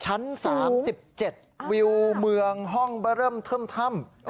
ชั้น๓๗วิวเมืองห้องเบอร์เริ่มเทิมถ้ำ